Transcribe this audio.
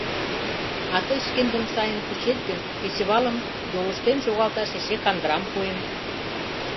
А тый шкендым сайын кучет гын, кечывалым йолыштен шогалташ эше кандырам пуэм.